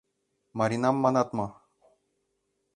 — Маринам манат мо?